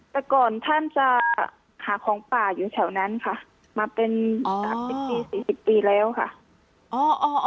แต่ก่อนท่านจะหาของป่าอยู่แถวนั้นค่ะมาเป็น๓๐ปี๔๐ปีแล้วค่ะ